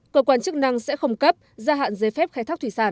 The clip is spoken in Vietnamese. cơ quan chức năng sẽ không cấp gia hạn giấy phép khai thác thủy sản